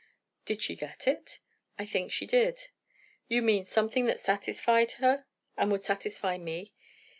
'" "Did she get it?" "I think she did." "You mean, something that satisfied her, and would satisfy me?"